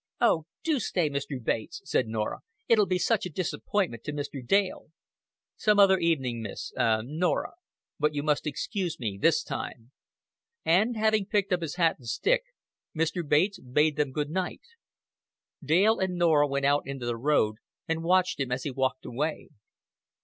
"Oh, do stay, Mr. Bates," said Norah. "It'll be such a disappointment to Mr. Dale." "Some other evening, Miss ah, Norah. But you must excuse me this time." And, having picked up his hat and stick, Mr. Bates bade them good night. Dale and Norah went out into the road and watched him as he walked away.